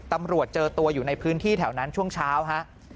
ตำรวจเจอตัวอยู่ในพื้นที่แถวนั้นช่วงเช้าฮะ